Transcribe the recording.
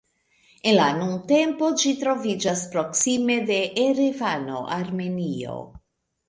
En la nuntempo ĝi troviĝas proksime de Erevano, Armenio.